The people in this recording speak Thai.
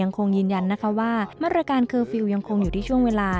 คงยืนยันนะคะว่ามาตรการเคอร์ฟิลล์ยังคงอยู่ที่ช่วงเวลา